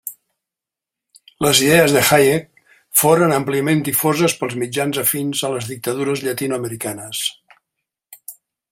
Les idees de Hayek foren àmpliament difoses pels mitjans afins a les dictadures llatinoamericanes.